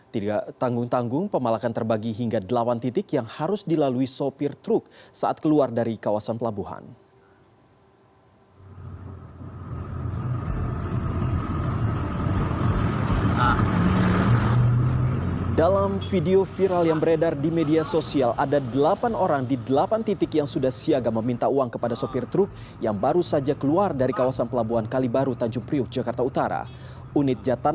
tiga tanggung tanggung pemalakan terbagi hingga delawan titik yang harus dilalui sopir truk saat keluar dari kawasan pelabuhan